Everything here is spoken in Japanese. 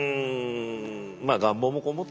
あ願望もこもってます。